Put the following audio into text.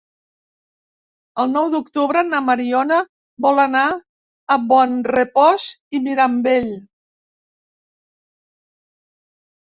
El nou d'octubre na Mariona vol anar a Bonrepòs i Mirambell.